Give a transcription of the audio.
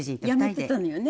やめてたのよね。